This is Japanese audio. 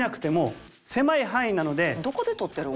「どこで撮ってるん？